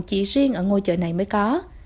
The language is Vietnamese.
chỉ riêng ở ngôi chợ này mới có